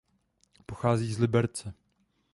Pochází z Liberce.